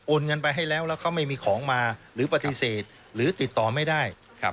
เงินไปให้แล้วแล้วเขาไม่มีของมาหรือปฏิเสธหรือติดต่อไม่ได้